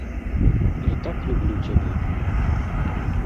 Я так люблю цябе!